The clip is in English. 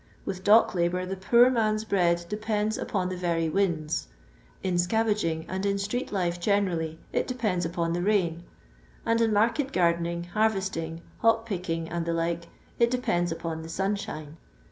With dock labour the poor man's bread depends upon the rery winds ; in scaTUging and in street life generally it depends upon the rain; and in market gardening, harvesting, hop^iieking^ and the like, it depends upon the sunshine.